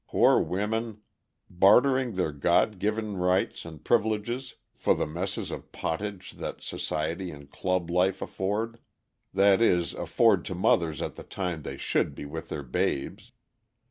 Poor women! Bartering their God given rights and privileges for the messes of pottage that society and club life afford that is, afford to mothers at the time they should be with their babes.